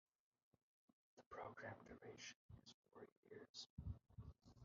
The program duration is four years.